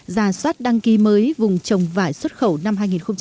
giả soát đăng ký mới vùng trồng vải xuất khẩu năm hai nghìn hai mươi